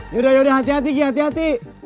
yaudah yaudah hati hati ki hati hati